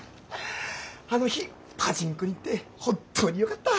あの日パチンコに行って本当によかった。